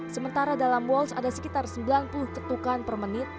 sementara dalam wals ada sekitar sembilan puluh ketukan per menit